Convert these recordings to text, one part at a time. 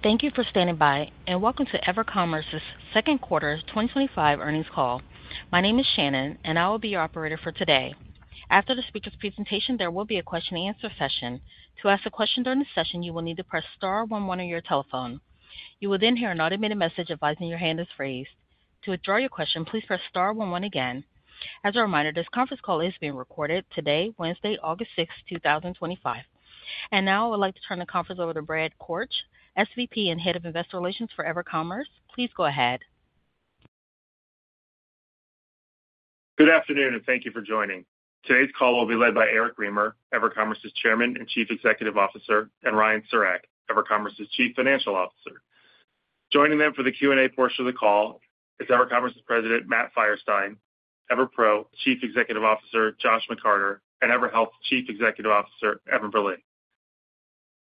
Thank you for standing by and Welcome to EverCommerce's Second Quarter 2025 Earnings Call. My name is Shannon, and I will be your operator for today. After the speaker's presentation, there will be a question and answer session. To ask a question during the session, you will need to press star one one on your telephone. You will then hear an automated message advising your hand is raised. To withdraw your question, please press star one one again. As a reminder, this conference call is being recorded today, Wednesday, August 6th, 2025. I would like to turn the conference over to Brad Korch, Senior Vice President and Head of Investor Relations for EverCommerce. Please go ahead. Good afternoon and thank you for joining. Today's call will be led by Eric Remer, EverCommerce's Chairman and Chief Executive Officer, and Ryan Siurek, EverCommerce's Chief Financial Officer. Joining them for the Q&A portion of the call is EverCommerce's President, Matt Feierstein, EverPro Chief Executive Officer, Josh McCarter, and EverHealth Chief Executive Officer, Evan Berlin.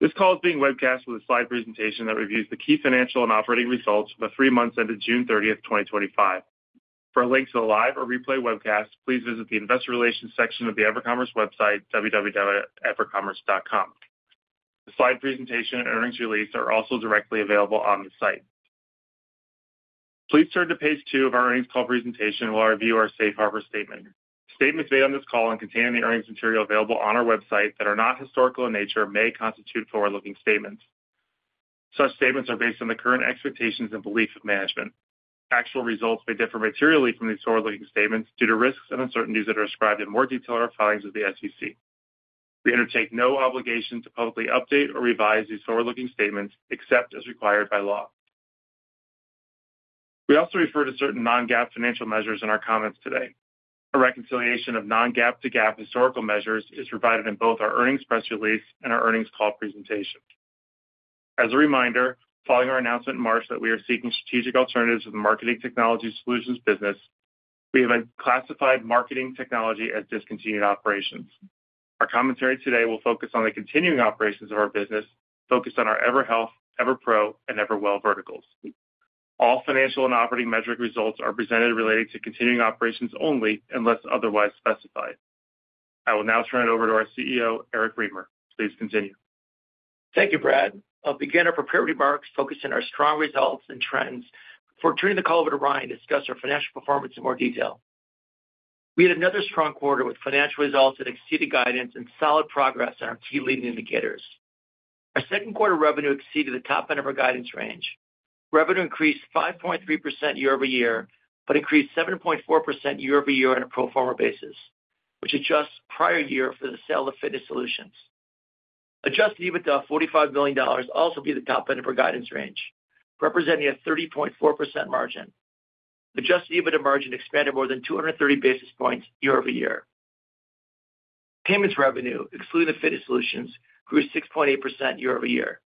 This call is being webcast with a slide presentation that reviews the key financial and operating results of the three months ended June 30th, 2025. For a link to the live or replay webcast, please visit the Investor Relations section of the EverCommerce website, www.evercommerce.com. The slide presentation and earnings release are also directly available on the site. Please turn to page two of our earnings call presentation while I review our safe harbor statement. Statements made on this call and contained in the earnings material available on our website that are not historical in nature may constitute forward-looking statements. Such statements are based on the current expectations and beliefs of management. Actual results may differ materially from these forward-looking statements due to risks and uncertainties that are described in more detail in our filings with the SEC. We undertake no obligation to publicly update or revise these forward-looking statements except as required by law. We also refer to certain non-GAAP financial measures in our comments today. A reconciliation of non-GAAP to GAAP historical measures is provided in both our earnings press release and our earnings call presentation. As a reminder, following our announcement in March that we are seeking strategic alternatives to the marketing technology solutions business, we have classified MarTech as discontinued operations. Our commentary today will focus on the continuing operations of our business, focused on our EverHealth, EverPro, and EverWell verticals. All financial and operating metric results are presented relating to continuing operations only unless otherwise specified. I will now turn it over to our CEO, Eric Remer. Please continue. Thank you, Brad. I'll begin our prepared remarks focused on our strong results and trends. Before turning the call over to Ryan to discuss our financial performance in more detail, we had another strong quarter with financial results that exceeded guidance and solid progress in our key leading indicators. Our second quarter revenue exceeded the top end of our guidance range. Revenue increased 5.3% year-over-year, but increased 7.4% year-over-year on a pro forma basis, which adjusts prior year for the sale of the fitness solutions. Adjusted EBITDA of $45 million also viewed at the top end of our guidance range, representing a 30.4% margin. Adjusted EBITDA margin expanded more than 230 basis points year-over-year. Payments revenue, excluding the fitness solutions, grew 6.8% year-over-year.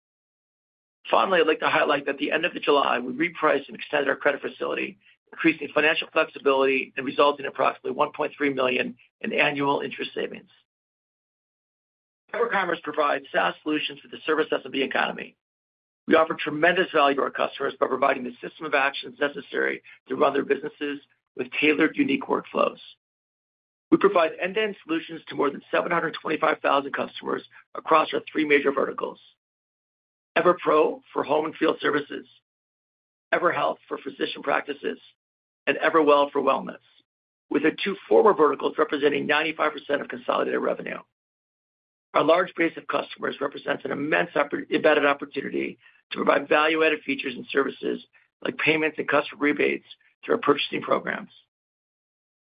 Finally, I'd like to highlight that at the end of July, we repriced and extended our credit facility, increasing financial flexibility and resulting in approximately $1.3 million in annual interest savings. EverCommerce provides SaaS solutions with the service that's in the economy. We offer tremendous value to our customers by providing the system of actions necessary to run their businesses with tailored unique workflows. We provide end-to-end solutions to more than 725,000 customers across our three major verticals: EverPro for home and field services, EverHealth for physician practices, and EverWell for wellness, with the two former verticals representing 95% of consolidated revenue. Our large base of customers represents an immense embedded opportunity to provide value-added features and services like payments and customer rebates to our purchasing programs.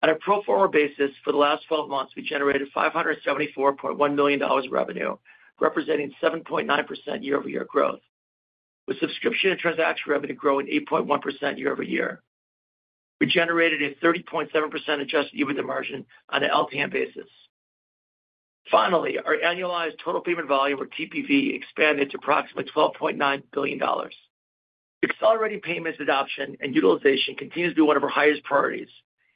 At a pro forma basis for the last 12 months, we generated $574.1 million in revenue, representing 7.9% year-over-year growth, with subscription and transaction revenue growing 8.1% year-over-year. We generated a 30.7% adjusted EBITDA margin on an LTN basis. Finally, our annualized total payment volume or TPV expanded to approximately $12.9 billion. Accelerating payments adoption and utilization continues to be one of our highest priorities,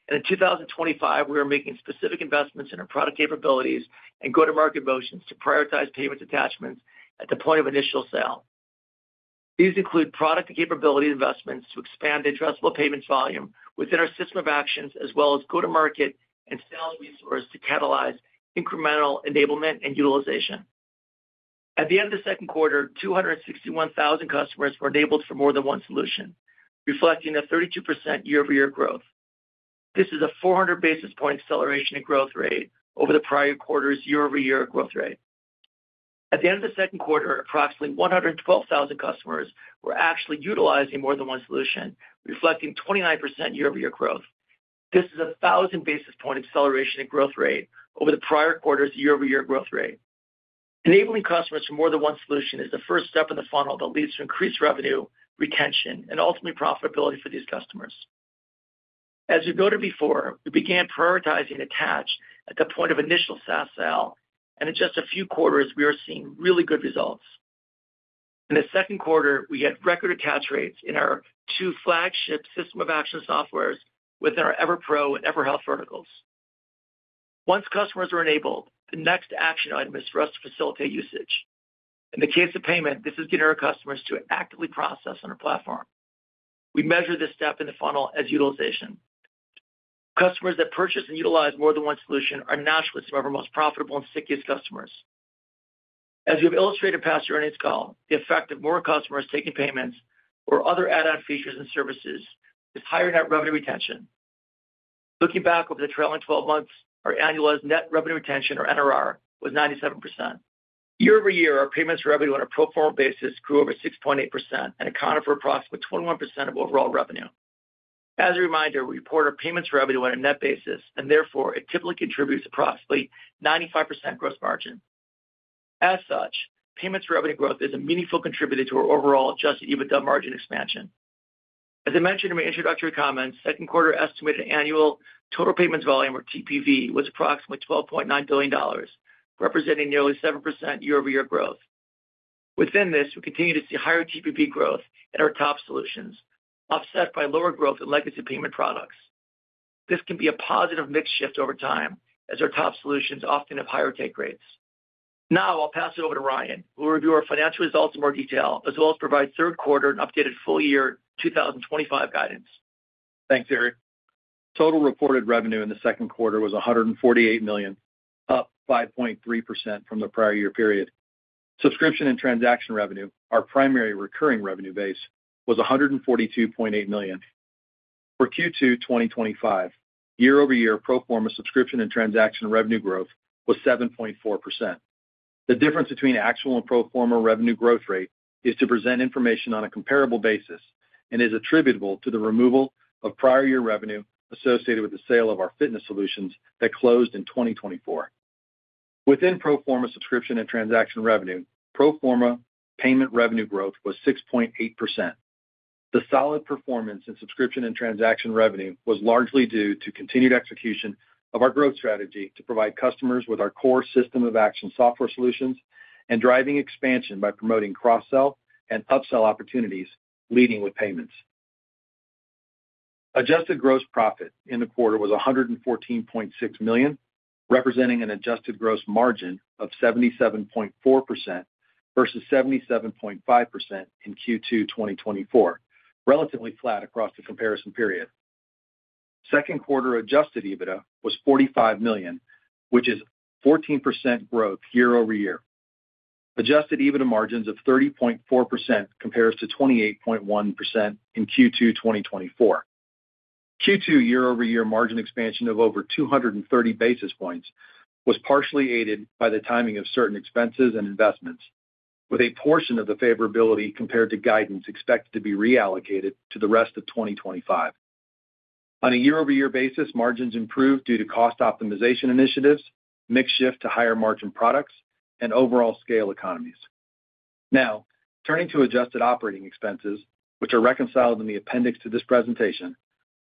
and in 2025, we are making specific investments in our product capabilities and go-to-market motions to prioritize payments attachments at the point of initial sale. These include product and capability investments to expand addressable payments volume within our system of actions, as well as go-to-market and selling resources to catalyze incremental enablement and utilization. At the end of the second quarter, 261,000 customers were enabled for more than one solution, reflecting a 32% year-over-year growth. This is a 400 basis point acceleration in growth rate over the prior quarter's year-over-year growth rate. At the end of the second quarter, approximately 112,000 customers were actually utilizing more than one solution, reflecting 29% year-over-year growth. This is a 1,000 basis point acceleration in growth rate over the prior quarter's year-over-year growth rate. Enabling customers for more than one solution is the first step in the funnel that leads to increased revenue retention and ultimately profitability for these customers. As we've noted before, we began prioritizing attach at the point of initial SaaS sale, and in just a few quarters, we are seeing really good results. In the second quarter, we had record attach rates in our two flagship system of action softwares within our EverPro and EverHealth verticals. Once customers are enabled, the next action item is for us to facilitate usage. In the case of payment, this is getting our customers to actively process on a platform. We measure this step in the funnel as utilization. Customers that purchase and utilize more than one solution are naturally some of our most profitable and stickiest customers. As you have illustrated in past earnings call, the effect of more customers taking payments or other add-on features and services is higher net revenue retention. Looking back over the trailing 12 months, our annualized net revenue retention, or NRR, was 97%. Year-over-year, our payments revenue on a pro forma basis grew over 6.8% and accounted for approximately 21% of overall revenue. As a reminder, we report our payments revenue on a net basis, and therefore it typically contributes approximately 95% gross margin. As such, payments revenue growth is a meaningful contributor to our overall adjusted EBITDA margin expansion. As I mentioned in my introductory comments, second quarter estimated annual total payments volume or TPV was approximately $12.9 billion, representing nearly 7% year-over-year growth. Within this, we continue to see higher TPV growth in our top solutions, offset by lower growth in legacy payment products. This can be a positive mix shift over time, as our top solutions often have higher take rates. Now I'll pass it over to Ryan, who will review our financial results in more detail, as well as provide third quarter and updated full year 2025 guidance. Thanks, Eric. Total reported revenue in the second quarter was $148 million, up 5.3% from the prior year period. Subscription and transaction revenue, our primary recurring revenue base, was $142.8 million. For Q2 2025, year-over-year pro forma subscription and transaction revenue growth was 7.4%. The difference between actual and pro forma revenue growth rate is to present information on a comparable basis and is attributable to the removal of prior year revenue associated with the sale of our fitness solutions that closed in 2024. Within pro forma subscription and transaction revenue, pro forma payment revenue growth was 6.8%. The solid performance in subscription and transaction revenue was largely due to continued execution of our growth strategy to provide customers with our core system of action software solutions and driving expansion by promoting cross-sell and upsell opportunities leading with payments. Adjusted gross profit in the quarter was $114.6 million, representing an adjusted gross margin of 77.4% versus 77.5% in Q2 2024, relatively flat across the comparison period. Second quarter adjusted EBITDA was $45 million, which is 14% growth year-over-year. Adjusted EBITDA margins of 30.4% compares to 28.1% in Q2 2024. Q2 year-over-year margin expansion of over 230 basis points was partially aided by the timing of certain expenses and investments, with a portion of the favorability compared to guidance expected to be reallocated to the rest of 2025. On a year-over-year basis, margins improved due to cost optimization initiatives, mix shift to higher margin products, and overall scale economies. Now, turning to adjusted operating expenses, which are reconciled in the appendix to this presentation,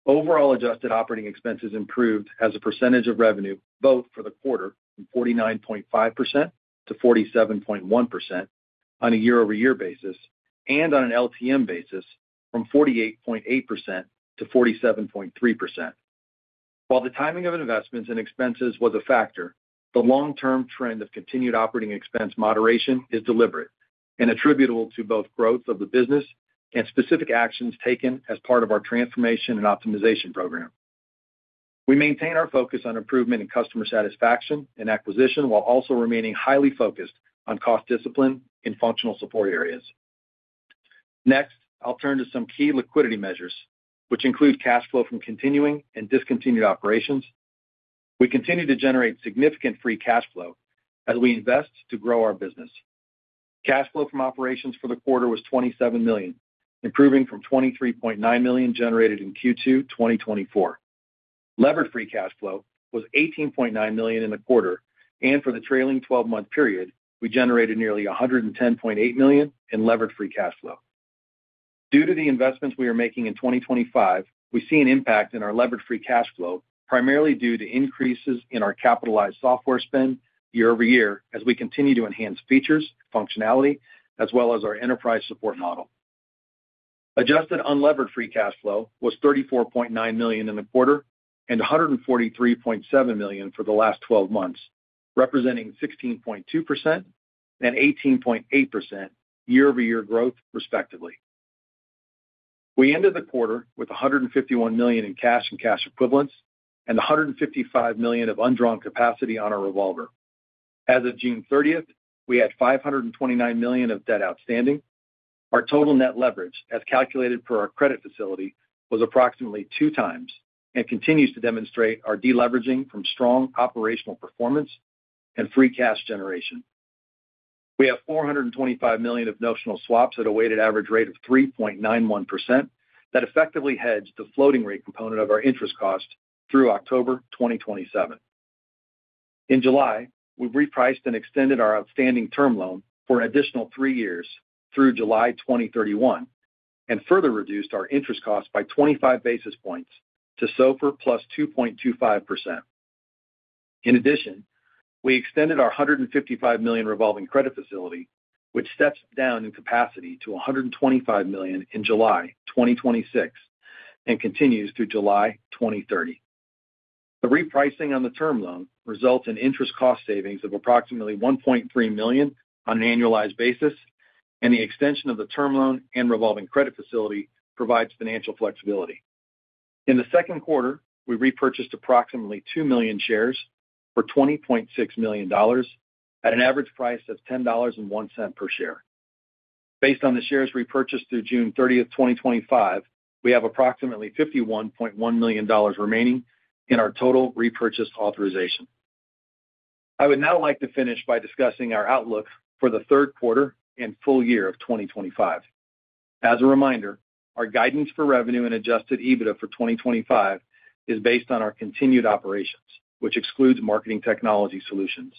overall adjusted operating expenses improved as a percentage of revenue both for the quarter from 49.5% to 47.1% on a year-over-year basis and on an LTM basis from 48.8% to 47.3%. While the timing of investments and expenses was a factor, the long-term trend of continued operating expense moderation is deliberate and attributable to both growth of the business and specific actions taken as part of our transformation and optimization program. We maintain our focus on improvement in customer satisfaction and acquisition while also remaining highly focused on cost discipline in functional support areas. Next, I'll turn to some key liquidity measures, which include cash flow from continuing and discontinued operations. We continue to generate significant free cash flow as we invest to grow our business. Cash flow from operations for the quarter was $27 million, improving from $23.9 million generated in Q2 2024. Leveraged free cash flow was $18.9 million in the quarter, and for the trailing 12-month period, we generated nearly $110.8 million in leveraged free cash flow. Due to the investments we are making in 2025, we see an impact in our leveraged free cash flow, primarily due to increases in our capitalized software spend year-over-year as we continue to enhance features, functionality, as well as our enterprise support model. Adjusted unleveraged free cash flow was $34.9 million in the quarter and $143.7 million for the last 12 months, representing 16.2% and 18.8% year-over-year growth, respectively. We ended the quarter with $151 million in cash and cash equivalents and $155 million of undrawn capacity on our revolver. As of June 30th, we had $529 million of debt outstanding. Our total net leverage, as calculated per our credit facility, was approximately two times and continues to demonstrate our deleveraging from strong operational performance and free cash generation. We have $425 million of notional swaps at a weighted average rate of 3.91% that effectively hedge the floating rate component of our interest cost through October 2027. In July, we've repriced and extended our outstanding term loan for an additional three years through July 2031 and further reduced our interest cost by 25 basis points to SOFR plus 2.25%. In addition, we extended our $155 million revolving credit facility, which steps down in capacity to $125 million in July 2026 and continues through July 2030. The repricing on the term loan results in interest cost savings of approximately $1.3 million on an annualized basis, and the extension of the term loan and revolving credit facility provides financial flexibility. In the second quarter, we repurchased approximately $2 million shares for $20.6 million at an average price of $10.01 per share. Based on the shares repurchased through June 30th, 2025, we have approximately $51.1 million remaining in our total repurchase authorization. I would now like to finish by discussing our outlook for the third quarter and full year of 2025. As a reminder, our guidance for revenue and adjusted EBITDA for 2025 is based on our continued operations, which excludes marketing technology solutions.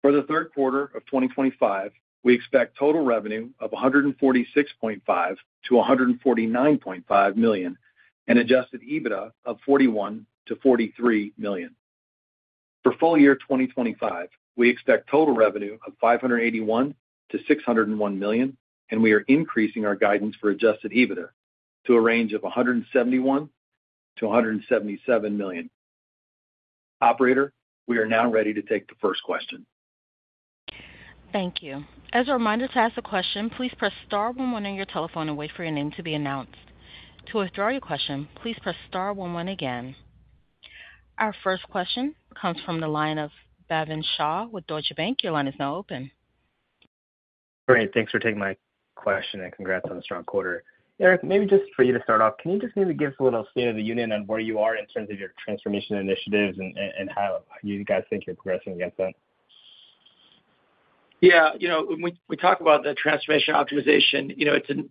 For the third quarter of 2025, we expect total revenue of $146.5 to $149.5 million and adjusted EBITDA of $41 to $43 million. For full year 2025, we expect total revenue of $581 to $601 million, and we are increasing our guidance for adjusted EBITDA to a range of $171-$177 million. Operator, we are now ready to take the first question. Thank you. As a reminder to ask a question, please press star one one on your telephone and wait for your name to be announced. To withdraw your question, please press star one one again. Our first question comes from the line of Bhavin Shah with Deutsche Bank. Your line is now open. Great. Thanks for taking my question and congrats on the strong quarter. Eric, maybe just for you to start off, can you just maybe give us a little state of the union on where you are in terms of your transformation initiatives and how you guys think you're progressing against that? Yeah, you know, when we talk about the transformation optimization,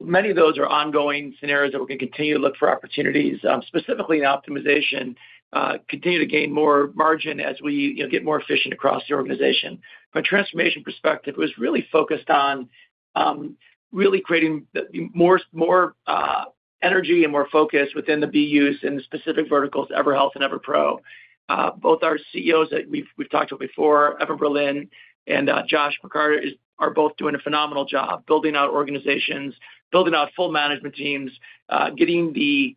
many of those are ongoing scenarios that we're going to continue to look for opportunities, specifically in optimization, continue to gain more margin as we get more efficient across the organization. From a transformation perspective, it was really focused on creating more energy and more focus within the BUs in the specific verticals EverHealth and EverPro. Both our CEOs that we've talked about before, Evan Berlin and Josh McCarter, are both doing a phenomenal job building out organizations, building out full management teams, getting the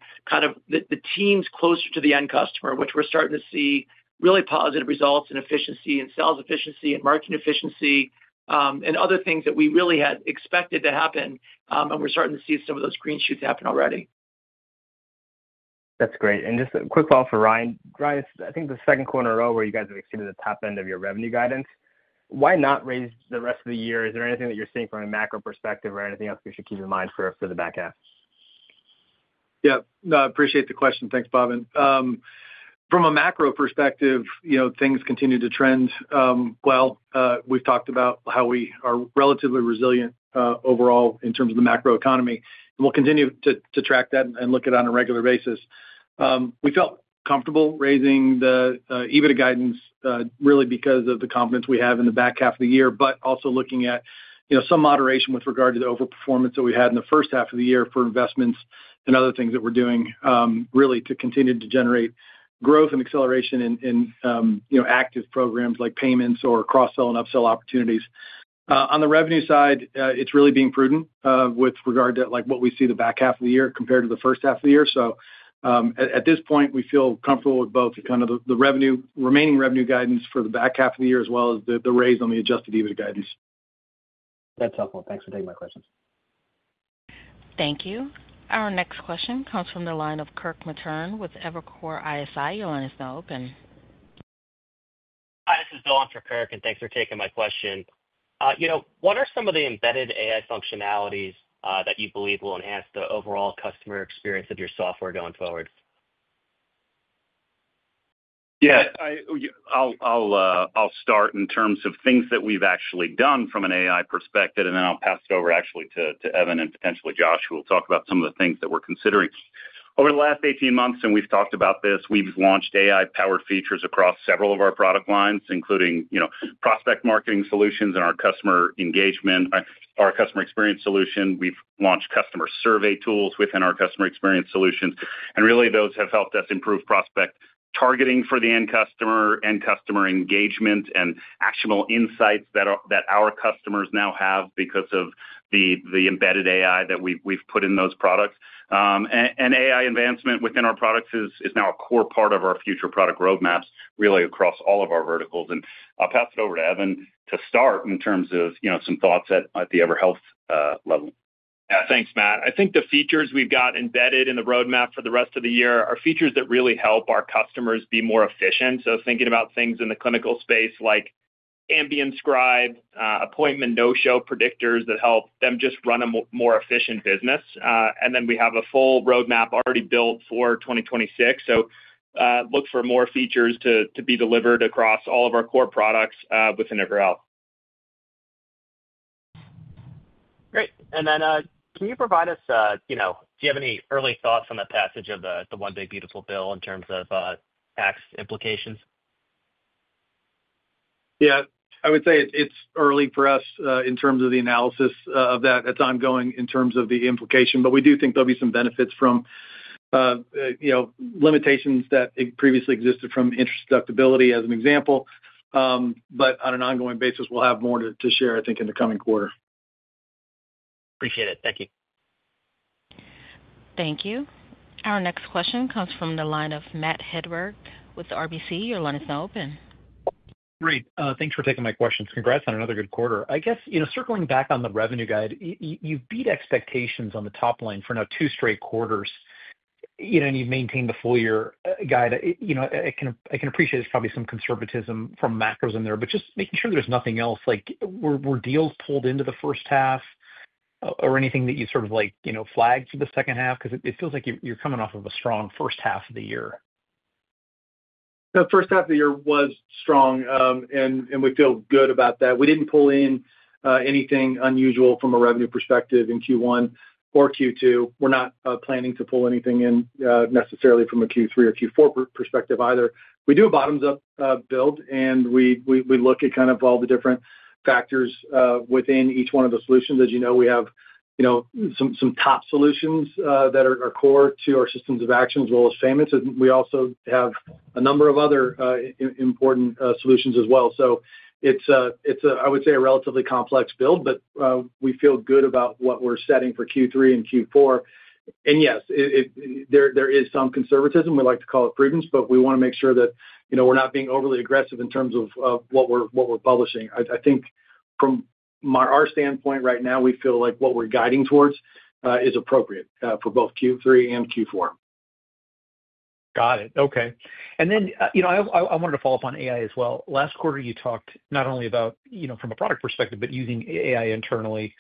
teams closer to the end customer, which we're starting to see really positive results in efficiency and sales efficiency and marketing efficiency, and other things that we really had expected to happen. We're starting to see some of those green shoots happen already. That's great. Just a quick follow-up for Ryan. Ryan, I think the second quarter in a row where you guys have exceeded the top end of your revenue guidance, why not raise the rest of the year? Is there anything that you're seeing from a macro perspective or anything else we should keep in mind for the backend? Yeah, no, I appreciate the question. Thanks, Bhavin. From a macro perspective, things continue to trend well. We've talked about how we are relatively resilient overall in terms of the macro economy. We will continue to track that and look at it on a regular basis. We felt comfortable raising the adjusted EBITDA guidance really because of the confidence we have in the back half of the year, but also looking at some moderation with regard to the overperformance that we had in the first half of the year for investments and other things that we're doing, really to continue to generate growth and acceleration in active programs like payments or cross-sell and upsell opportunities. On the revenue side, it's really being prudent with regard to what we see the back half of the year compared to the first half of the year. At this point, we feel comfortable with both the remaining revenue guidance for the back half of the year as well as the raise on the adjusted EBITDA guidance. That's helpful. Thanks for taking my question. Thank you. Our next question comes from the line of Kirk Materne with Evercore ISI. Your line is now open. Hi, this is Bill Armstrong Kirk and thanks for taking my question. What are some of the embedded AI functionalities that you believe will enhance the overall customer experience of your software going forward? Yeah, I'll start in terms of things that we've actually done from an AI perspective, then I'll pass it over to Evan and potentially Josh, who will talk about some of the things that we're considering. Over the last 18 months, and we've talked about this, we've launched AI-powered features across several of our product lines, including, you know, prospect marketing solutions and our customer engagement, our customer experience solution. We've launched customer survey tools within our customer experience solutions, and those have helped us improve prospect targeting for the end customer and customer engagement and actionable insights that our customers now have because of the embedded AI that we've put in those products. AI advancement within our products is now a core part of our future product roadmaps, really across all of our verticals. I'll pass it over to Evan to start in terms of, you know, some thoughts at the EverHealth level. Yeah, thanks, Matt. I think the features we've got embedded in the roadmap for the rest of the year are features that really help our customers be more efficient. Thinking about things in the clinical space like ambient scribe, appointment no-show predictors that help them just run a more efficient business. We have a full roadmap already built for 2026. Look for more features to be delivered across all of our core products within EverHealth. Great. Can you provide us, you know, do you have any early thoughts on the passage of the One Day Beautiful Bill in terms of tax implications? Yeah, I would say it's early for us in terms of the analysis of that. It's ongoing in terms of the implication, but we do think there'll be some benefits from limitations that previously existed from interest deductibility as an example. On an ongoing basis, we'll have more to share, I think, in the coming quarter. Appreciate it. Thank you. Thank you. Our next question comes from the line of Matthew Hedberg with RBC. Your line is now open. Great. Thanks for taking my questions. Congrats on another good quarter. I guess, you know, circling back on the revenue guide, you've beat expectations on the top line for now two straight quarters, and you've maintained the full year guide. I can appreciate there's probably some conservatism from macros in there, but just making sure there's nothing else, like were deals pulled into the first half or anything that you sort of, like, flagged for the second half? It feels like you're coming off of a strong first half of the year. The first half of the year was strong, and we feel good about that. We didn't pull in anything unusual from a revenue perspective in Q1 or Q2. We're not planning to pull anything in necessarily from a Q3 or Q4 perspective either. We do a bottoms-up build, and we look at all the different factors within each one of the solutions. As you know, we have some top solutions that are core to our systems of action as well as payments. We also have a number of other important solutions as well. It's a relatively complex build, but we feel good about what we're setting for Q3 and Q4. Yes, there is some conservatism. We like to call it prudence, but we want to make sure that we're not being overly aggressive in terms of what we're publishing. I think from our standpoint right now, we feel like what we're guiding towards is appropriate for both Q3 and Q4. Got it. Okay. I wanted to follow up on AI as well. Last quarter, you talked not only about, you know, from a product perspective, but using AI internally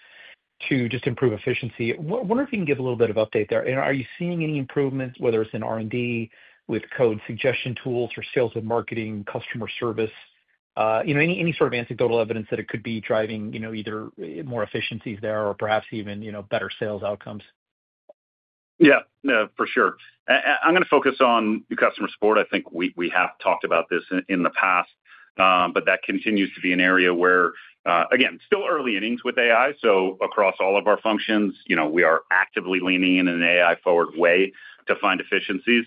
to just improve efficiency. I wonder if you can give a little bit of update there. Are you seeing any improvements, whether it's in R&D with code suggestion tools or sales and marketing, customer service? Any sort of anecdotal evidence that it could be driving, you know, either more efficiencies there or perhaps even, you know, better sales outcomes? Yeah, no, for sure. I'm going to focus on customer support. I think we have talked about this in the past, but that continues to be an area where, again, still early innings with AI. Across all of our functions, we are actively leaning in an AI-forward way to find efficiencies.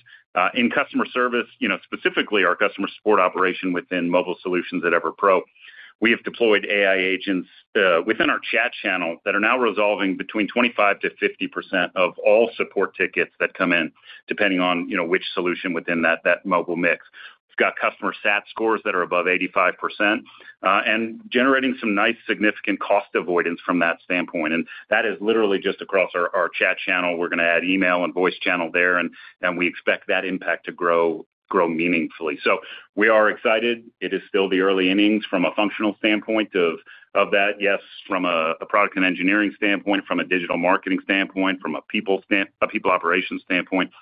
In customer service, specifically our customer support operation within mobile solutions at EverPro, we have deployed AI agents within our chat channel that are now resolving between 25% to 50% of all support tickets that come in, depending on which solution within that mobile mix. We've got customer SAT scores that are above 85% and generating some nice significant cost avoidance from that standpoint. That is literally just across our chat channel. We're going to add email and voice channel there, and we expect that impact to grow meaningfully. We are excited. It is still the early innings from a functional standpoint of that. Yes, from a product and engineering standpoint, from a digital marketing standpoint, from a people operations standpoint,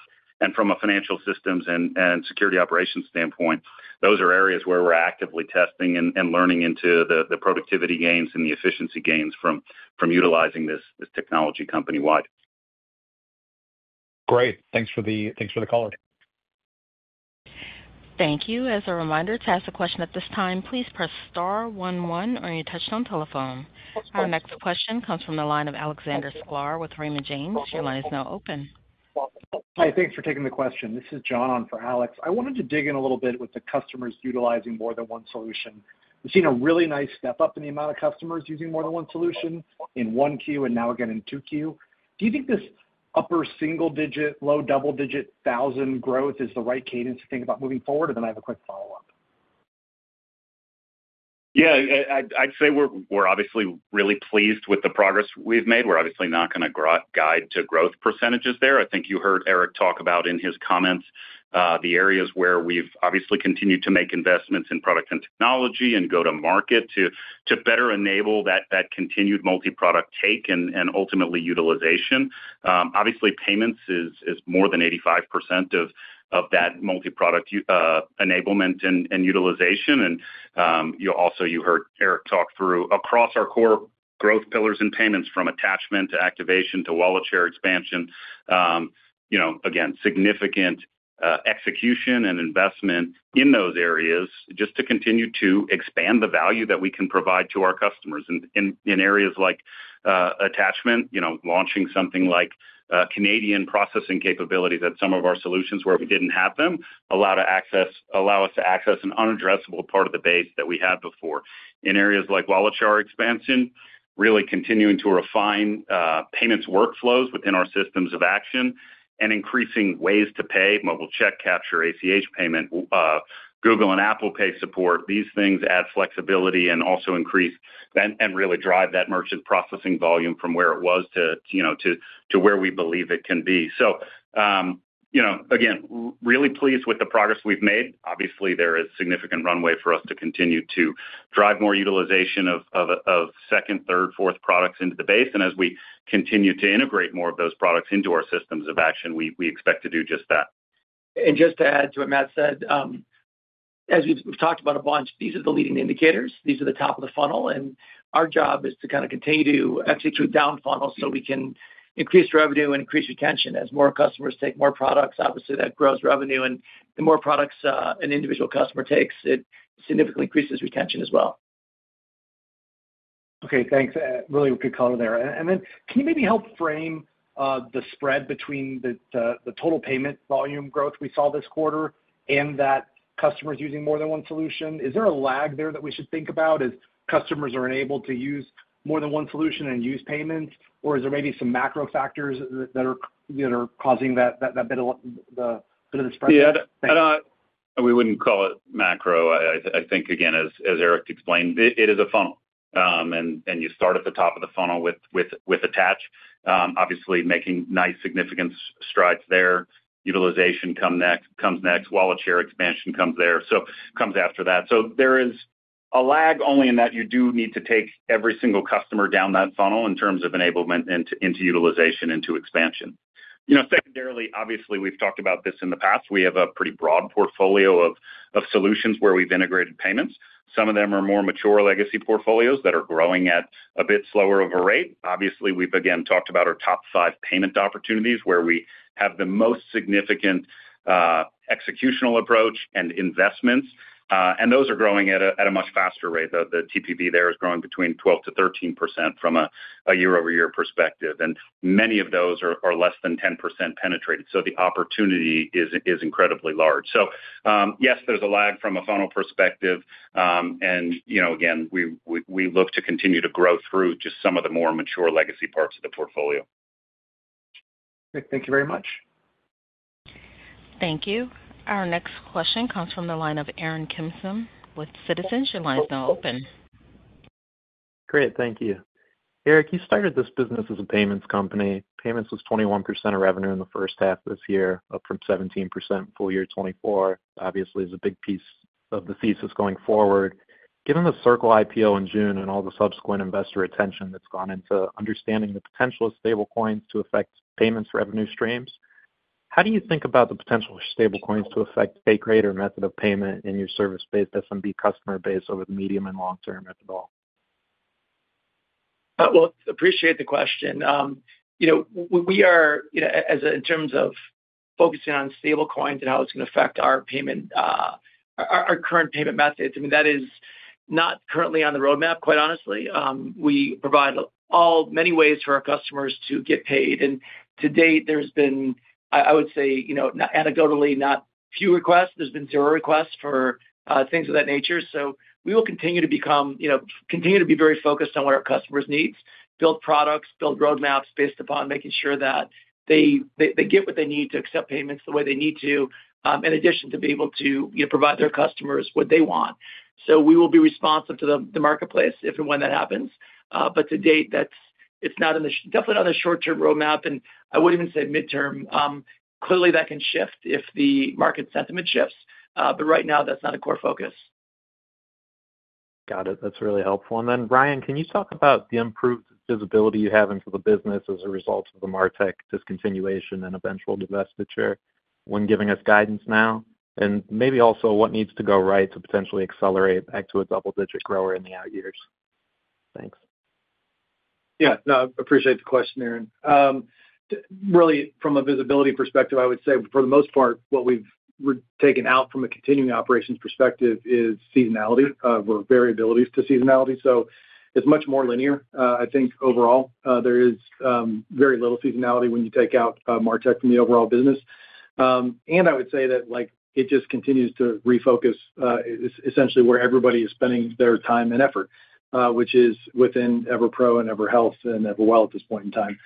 and from a financial systems and security operations standpoint, those are areas where we're actively testing and learning into the productivity gains and the efficiency gains from utilizing this technology company-wide. Great. Thanks for the call. Thank you. As a reminder, to ask a question at this time, please press star one one on your touch-tone telephone. Our next question comes from the line of Alexander Sklar with Raymond James. Your line is now open. Hi, thanks for taking the question. This is John on for Alex. I wanted to dig in a little bit with the customers utilizing more than one solution. We've seen a really nice step up in the amount of customers using more than one solution in one queue and now again in two queue. Do you think this upper single digit, low double digit thousand growth is the right cadence to think about moving forward? I have a quick follow-up. Yeah, I'd say we're obviously really pleased with the progress we've made. We're obviously not going to guide to growth percentages there. I think you heard Eric talk about in his comments the areas where we've obviously continued to make investments in product and technology and go to market to better enable that continued multi-product take and ultimately utilization. Payments is more than 85% of that multi-product enablement and utilization. You also heard Eric talk through across our core growth pillars and payments from attachment to activation to wallet share expansion. Again, significant execution and investment in those areas just to continue to expand the value that we can provide to our customers in areas like attachment, launching something like Canadian processing capabilities at some of our solutions where we didn't have them, allow us to access an unaddressable part of the base that we had before. In areas like wallet share expansion, really continuing to refine payments workflows within our systems of action and increasing ways to pay, mobile check capture, ACH payment, Google and Apple Pay support. These things add flexibility and also increase and really drive that merchant processing volume from where it was to where we believe it can be. Again, really pleased with the progress we've made. There is significant runway for us to continue to drive more utilization of second, third, fourth products into the base. As we continue to integrate more of those products into our systems of action, we expect to do just that. To add to what Matt said, as we've talked about a bunch, these are the leading indicators. These are the top of the funnel. Our job is to kind of continue to execute down funnel so we can increase revenue and increase retention. As more customers take more products, obviously that grows revenue. The more products an individual customer takes, it significantly increases retention as well. Okay, thanks. Really good call there. Can you maybe help frame the spread between the total payment volume growth we saw this quarter and that customers using more than one solution? Is there a lag there that we should think about as customers are enabled to use more than one solution and use payments? Is there maybe some macro factors that are causing that bit of the spread? Yeah, we wouldn't call it macro. I think, again, as Eric explained, it is a funnel. You start at the top of the funnel with attach. Obviously, making nice significant strides there. Utilization comes next. Wallet share expansion comes there. It comes after that. There is a lag only in that you do need to take every single customer down that funnel in terms of enablement into utilization and to expansion. Secondarily, obviously, we've talked about this in the past. We have a pretty broad portfolio of solutions where we've integrated payments. Some of them are more mature legacy portfolios that are growing at a bit slower of a rate. Obviously, we've again talked about our top five payment opportunities where we have the most significant executional approach and investments. Those are growing at a much faster rate. The TPV there is growing between 12% to 13% from a year-over-year perspective. Many of those are less than 10% penetrated. The opportunity is incredibly large. Yes, there's a lag from a funnel perspective. We look to continue to grow through just some of the more mature legacy parts of the portfolio. Thank you very much. Thank you. Our next question comes from the line of Aaron Kimson with Citizens. Your line is now open. Great, thank you. Eric, you started this business as a payments company. Payments was 21% of revenue in the first half of this year, up from 17% full year 2024. Obviously, it's a big piece of the thesis going forward. Given the Circle IPO in June and all the subsequent investor attention that's gone into understanding the potential of stablecoins to affect payments revenue streams, how do you think about the potential for stablecoins to affect a greater method of payment in your service-based SMB customer base over the medium and long term, if at all? I appreciate the question. In terms of focusing on stablecoins and how it's going to affect our current payment methods, that is not currently on the roadmap, quite honestly. We provide many ways for our customers to get paid. To date, there's been, I would say, anecdotally not few requests. There's been zero requests for things of that nature. We will continue to be very focused on what our customers need, build products, build roadmaps based upon making sure that they get what they need to accept payments the way they need to, in addition to being able to provide their customers what they want. We will be responsive to the marketplace if and when that happens. To date, it's definitely not in the short-term roadmap. I wouldn't even say midterm. Clearly, that can shift if the market sentiment shifts. Right now, that's not a core focus. Got it. That's really helpful. Ryan, can you talk about the improved visibility you have into the business as a result of the MarTech discontinuation and eventual divestiture when giving us guidance now? Maybe also what needs to go right to potentially accelerate back to a double-digit grower in the out years? Thanks. Yeah, no, I appreciate the question, Aaron. Really, from a visibility perspective, I would say for the most part, what we've taken out from a continuing operations perspective is seasonality or variabilities to seasonality. It's much more linear. I think overall, there is very little seasonality when you take out MarTech from the overall business. I would say that it just continues to refocus essentially where everybody is spending their time and effort, which is within EverPro and EverHealth and EverWell at this point in time.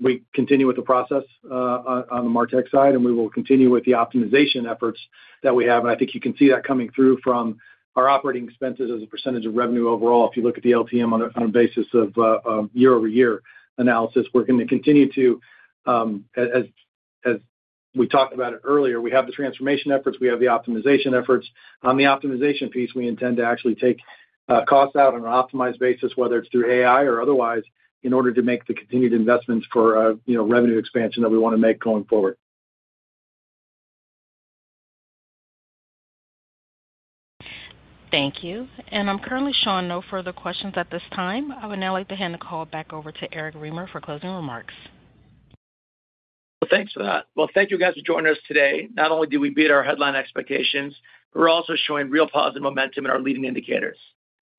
We continue with the process on the MarTech side, and we will continue with the optimization efforts that we have. I think you can see that coming through from our operating expenses as a percentage of revenue overall. If you look at the LTM on a basis of year-over-year analysis, we're going to continue to, as we talked about it earlier, we have the transformation efforts, we have the optimization efforts. On the optimization piece, we intend to actually take costs out on an optimized basis, whether it's through AI or otherwise, in order to make the continued investments for, you know, revenue expansion that we want to make going forward. Thank you. I'm currently showing no further questions at this time. I would now like to hand the call back over to Eric Remer for closing remarks. Thank you guys for joining us today. Not only did we beat our headline expectations, we're also showing real positive momentum in our leading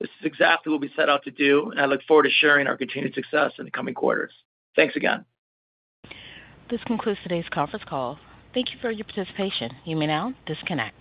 indicators. This is exactly what we set out to do, and I look forward to sharing our continued success in the coming quarters. Thanks again. This concludes today's conference call. Thank you for your participation. You may now disconnect.